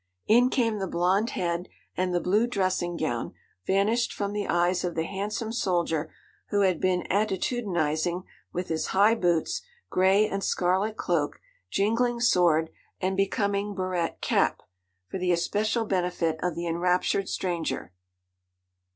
In came the blond head, and the blue dressing gown vanished from the eyes of the handsome soldier who had been attitudinizing with his high boots, gray and scarlet cloak, jingling sword, and becoming barrette cap, for the especial benefit of the enraptured stranger.